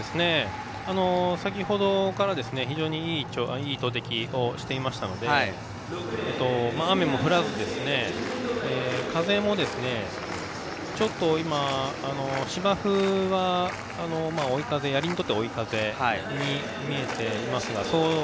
先ほどから非常にいい投てきをしていましたので雨も降らず、風もですねちょっと芝生はやりにとっては追い風に見えています。